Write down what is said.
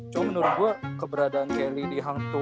cuman menurut gua keberadaan kelly di hang tua itu cukup